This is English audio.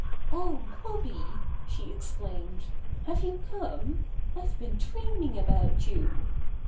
"Oh, Bobby!" she exclaimed. "Have you come? IVe been dreaming about you!"